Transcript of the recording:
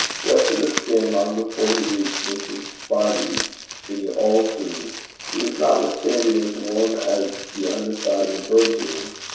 Wet to the skin long before he reached Mrs. Fyvie's in the auld toon, he was notwithstanding as warm as the under side of a bird's wing.